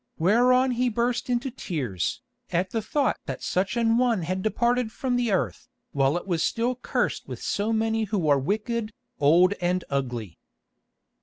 Whereon he burst into tears, at the thought that such an one had departed from the earth, while it was still cursed with so many who are wicked, old and ugly.